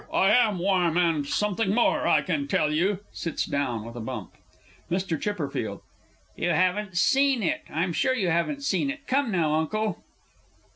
I am warm and something more, I can tell you! [Sits down with a bump. MR. C. You haven't seen it! I'm sure you haven't seen it. Come now, Uncle!